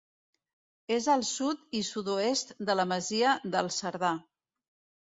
És al sud i sud-oest de la masia del Cerdà.